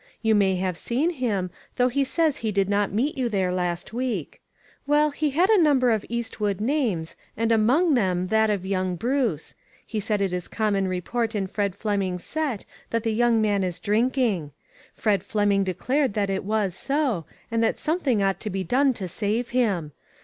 You may have seen him, though he says he did not meet you there last week. Well, he had a num ber of Eastwood names, and among them that of young Bruce. He says it is com mon report in Fred Fleming's set that the young man is drinking. Fred Fleming de clared that it was so, and that something ought to be done to save him.